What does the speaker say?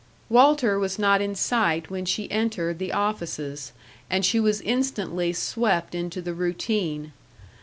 Walter was not in sight when she entered the offices, and she was instantly swept into the routine.